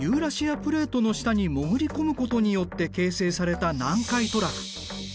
プレートの下に潜り込むことによって形成された南海トラフ。